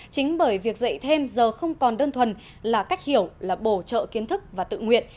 chính bởi việc dạy thêm giờ không còn đơn thuần là cách hiểu là bổ trợ kiến thức và tự nguyện